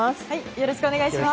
よろしくお願いします。